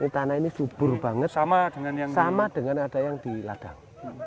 tanah ini subur banget sama dengan ada yang di ladang